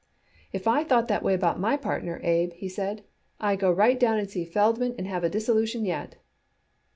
"If I thought that way about my partner, Abe," he said, "I'd go right down and see Feldman and have a dissolution yet."